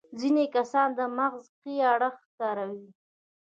ځينې کسان د مغز ښي اړخ کاروي.